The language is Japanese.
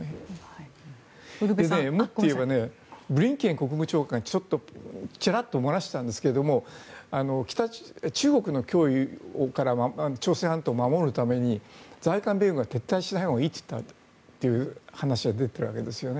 ブリンケン国務長官がちらっと漏らしたんですが中国の脅威から朝鮮半島を守るために在韓米軍は撤退しないほうがいいと言ったという話が出ているわけですよね。